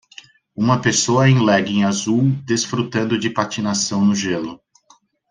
Uma pessoa em legging azul desfrutando de patinação no gelo.